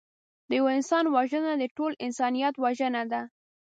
د یوه انسان وژنه د ټول انسانیت وژنه ده